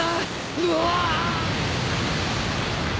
うわ！